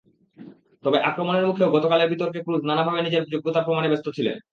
তবে আক্রমণের মুখেও গতকালের বিতর্কে ক্রুজ নানাভাবে নিজের যোগ্যতা প্রমাণে ব্যস্ত ছিলেন।